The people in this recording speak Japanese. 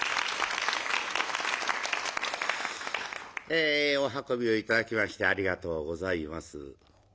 えお運びを頂きましてありがとうございます。